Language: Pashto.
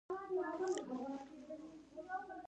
کورس د مطالعې سره مرسته کوي.